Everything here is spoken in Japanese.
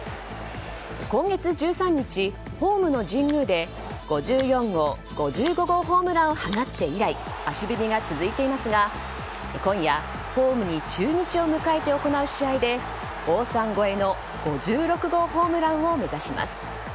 今月１３日、ホームの神宮で５４号５５号ホームランを放って以来足踏みが続いていますが今夜、ホームに中日を迎えて行う試合で王さん超えの５６号ホームランを目指します。